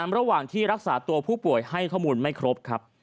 ระหว่างที่รักษาตัวผู้ป่วยให้ข้อมูลไม่ครบครับ